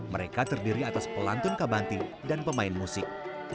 mereka terdiri atas pelantun kabanti dan pemain musik